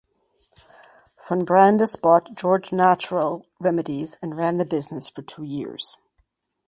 Von Brandis bought George Natural Remedies and ran the business for two years.